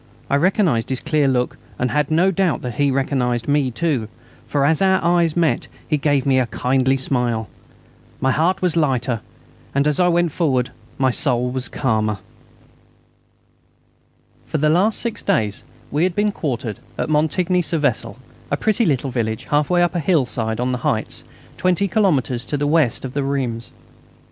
I recognised his clear look, and had no doubt that he recognised me too, for as our eyes met he gave me a kindly smile. My heart was lighter as I went forward, and my soul was calmer. For the last six days we had been quartered at Montigny sur Vesle, a pretty little village half way up a hillside on the heights, 20 kilometres to the west of Reims.